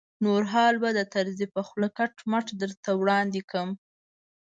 نور حال به د طرزي په خوله کټ مټ درته وړاندې کړم.